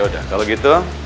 yaudah kalau gitu